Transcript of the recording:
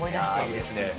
いいですね。